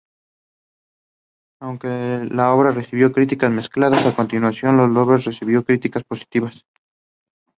Aunque la obra recibió críticas mezcladas, la actuación de Loveless recibió críticas positivas.